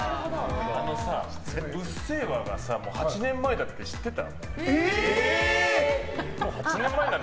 「うっせぇわ」が８年前だって知ってた？